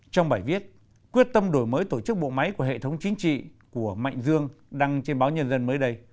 trong bài viết quyết tâm đổi mới tổ chức bộ máy của hệ thống chính trị của mạnh dương đăng trên báo nhân dân mới đây